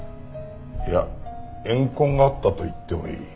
いや怨恨があったと言ってもいい。